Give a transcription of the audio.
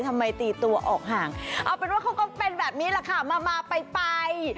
ทำไมตีตัวออกห่างเอาเป็นว่าเขาก็เป็นแบบนี้แหละค่ะมามาไป